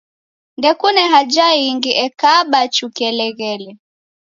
Ndekune haja ingi ekaba chukeleghele.